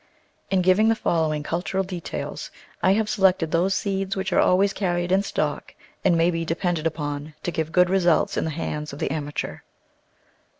In giving the following cultural details I have selected those seeds which are always carried in stock and may be depended upon to give good results in the hands of the amateur.